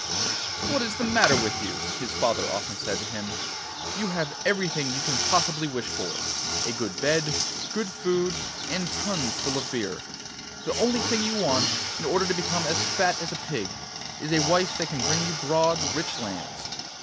'What is the matter with you?' his father often said to him. 'You have everything you can possibly wish for: a good bed, good food, and tuns full of beer. The only thing you want, in order to become as fat as a pig, is a wife that can bring you broad, rich lands.